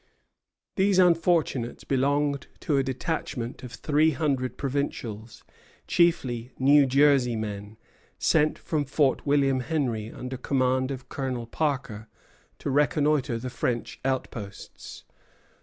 These unfortunates belonged to a detachment of three hundred provincials, chiefly New Jersey men, sent from Fort William Henry under command of Colonel Parker to reconnoitre the French outposts.